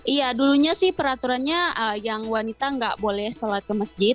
iya dulunya sih peraturannya yang wanita nggak boleh sholat ke masjid